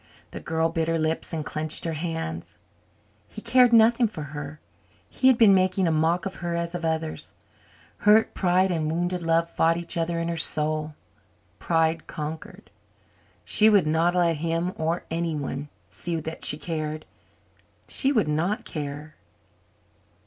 The girl bit her lips and clenched her hands. He cared nothing for her he had been making a mock of her as of others. Hurt pride and wounded love fought each other in her soul. Pride conquered. She would not let him, or anyone, see that she cared. She would not care!